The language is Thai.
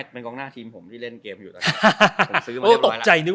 เป็นกองหน้าทีมผมที่เล่นเกมอยู่ตอนนี้